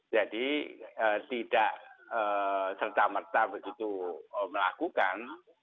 jadi tidak serta merta begitu melakukan